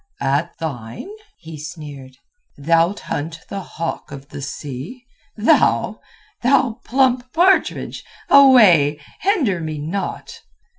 "'At thine?' he sneered. 'Thou'lt hunt the hawk of the sea? Thou? Thou plump partridge! Away! Hinder me not!"